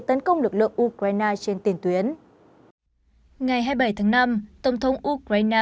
tấn công lực lượng ukraine trên tiền tuyến ngày hai mươi bảy tháng năm tổng thống ukraine